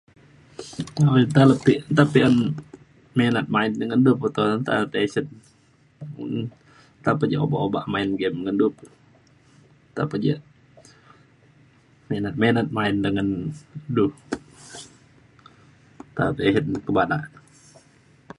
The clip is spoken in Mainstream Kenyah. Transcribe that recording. nta le ti nta pe un minat main ngan du pe toh nta nta tisen um nta pe ja obak obak main game ngan du nta pa ja minat minat main da ngan du nta tisen ke bada